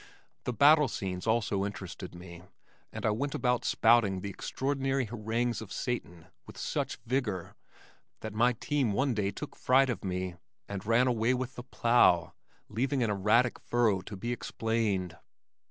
The battle scenes also interested me and I went about spouting the extraordinary harangues of Satan with such vigor that my team one day took fright of me, and ran away with the plow, leaving an erratic furrow to be explained.